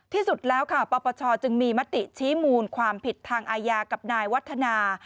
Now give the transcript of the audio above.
ที่สุดแล้วประบัติชิมูลความผิดทางอาญากับนายวัฒนา